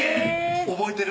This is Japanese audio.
覚えてる？